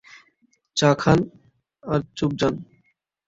চা খান আর চুপ যান।